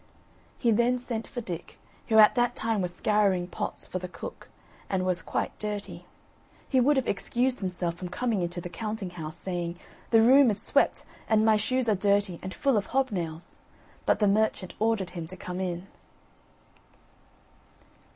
He then sent for Dick, who at that time was scouring pots for the cook, and was quite dirty. He would have excused himself from coming into the counting house, saying, "The room is swept, and my shoes are dirty and full of hob nails." But the merchant ordered him to come in.